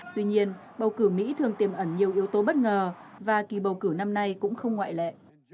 tuy nhiên bầu cử mỹ thường tiềm ẩn nhiều yếu tố bất ngờ và kỳ bầu cử năm nay cũng không ngoại lệ